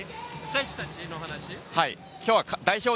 選手たちの話？